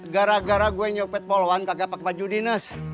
gara gara gue nyopet poluan kagak pak pajudin es